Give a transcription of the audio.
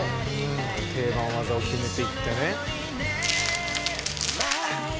定番技を決めていってね。